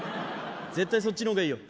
絶対そっちの方がいいよ。